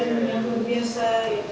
pencinta yang luar biasa